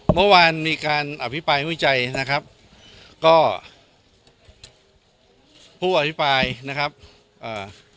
เมื่อวานมีการอภิปรายวิจัยนะครับก็ผู้อภิปรายนะครับอ่า